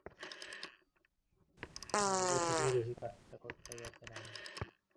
তিনি তার স্ত্রীর একজন অনুরাগী প্রশংসাকারী ছিলেন।